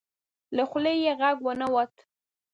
له خولې یې غږ ونه وت.